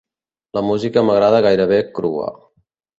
La música m'agrada gairebé crua.